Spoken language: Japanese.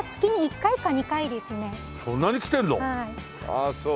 あっそう。